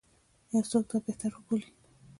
یو څوک یې دا بهتر وبولي.